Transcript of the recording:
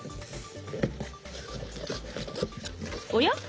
おや？